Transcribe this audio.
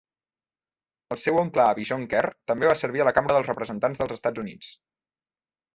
El seu oncle avi John Kerr també va servir a la Cambra dels Representants dels Estats Units.